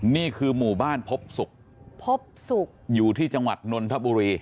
นี่คือหมู่บ้านพบศุกร์พบศุกร์อยู่ที่จังหวัดนนทบุรี